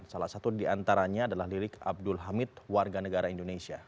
salah satu diantaranya adalah lirik abdul hamid warga negara indonesia